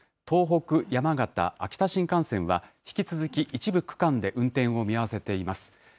東北、山形、秋田新幹線は、引き続き一部区間で運転を見合わせています。